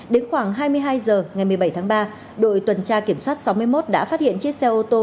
đến khoảng hai mươi hai h ngày một mươi bảy tháng ba đội tuần tra kiểm soát sáu mươi một đã phát hiện chiếc xe ô tô